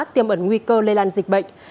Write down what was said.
tiêm ẩn nguy cơ lây lan dịch bệnh